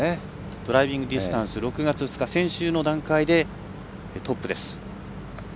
ドライビングディスンタンス６月２日、先週の段階でトップです。